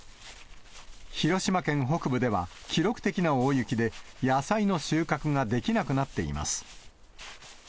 広島県北部では、記録的な大雪で、野菜の収穫ができなくなっています。